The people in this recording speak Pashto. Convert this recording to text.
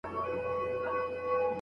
په تدبيرونو کې دې هر وختې تقدير ورک دی